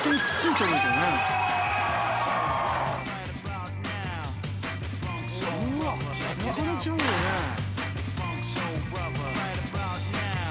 まかれちゃうよね。